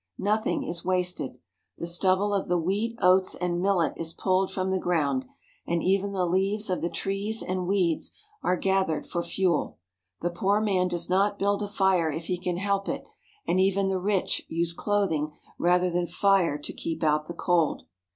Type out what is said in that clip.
Nothing is wasted. The stubble of the wheat, oats, and millet is pulled from the ground, and even the leaves of the trees and weeds are gathered for fuel. The poor man does not build a fire if he can help it, and even the rich use cloth ing rather than fire to keep out the cold.